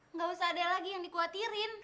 nggak usah ada lagi yang dikhawatirin